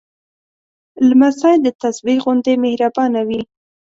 لمسی د تسبېح غوندې مهربانه وي.